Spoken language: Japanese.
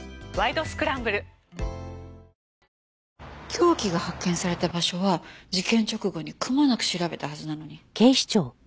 凶器が発見された場所は事件直後にくまなく調べたはずなのに。